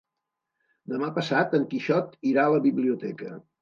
Demà passat en Quixot irà a la biblioteca.